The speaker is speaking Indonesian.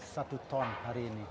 satu ton hari ini